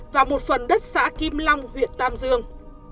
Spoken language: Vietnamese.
và một phần đất xã kim long huyện tam dương